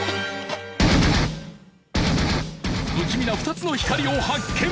不気味な２つの光を発見！